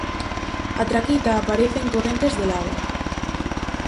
A traquita aparece en correntes de lava.